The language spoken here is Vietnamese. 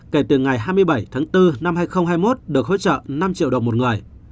kể từ ngày hai mươi bảy tháng bốn năm hai nghìn hai mươi một được hỗ trợ năm triệu đồng một người